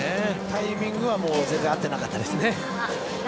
タイミングは全然合っていなかったですね。